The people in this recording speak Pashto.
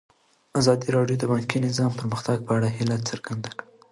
ازادي راډیو د بانکي نظام د پرمختګ په اړه هیله څرګنده کړې.